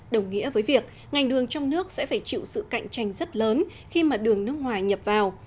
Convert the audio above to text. đồng nghĩa với việc ngành đường trong nước sẽ phải chịu sự cạnh tranh rất lớn khi mà đường nước ngoài nhập vào